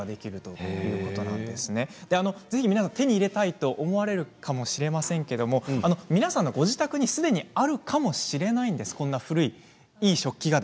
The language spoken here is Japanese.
ぜひ手に入れたいと思われるかもしれませんけれども皆さんのご自宅にすでにあるかもしれないです、この古いいい食器が。